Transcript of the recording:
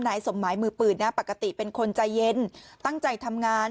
สมหมายมือปืนนะปกติเป็นคนใจเย็นตั้งใจทำงาน